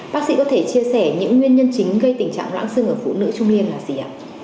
bác sĩ có thể chia sẻ những nguyên nhân chính gây tình trạng lãng sưng ở phụ nữ trung niên là gì ạ